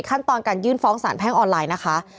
ขั้นตอนการยื่นฟ้องสารแพ่งออนไลน์นะคะ